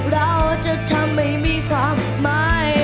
เราจะทำให้มีความหมาย